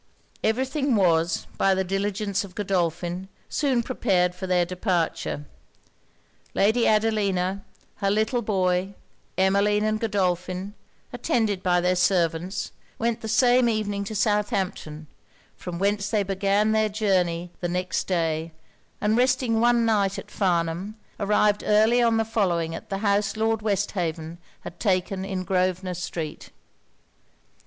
Every thing was, by the diligence of Godolphin, soon prepared for their departure. Lady Adelina, her little boy, Emmeline and Godolphin, attended by their servants, went the same evening to Southampton; from whence they began their journey the next day; and resting one night at Farnham, arrived early on the following at the house Lord Westhaven had taken in Grosvenor street.